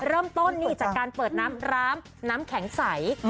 เริ่มต้นนี่จากการเปิดน้ำร้างน้ำแข็งใส